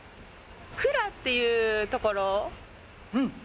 蔵っていうところうん！